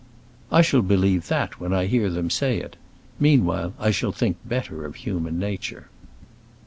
"I shall believe that when I hear them say it. Meanwhile I shall think better of human nature."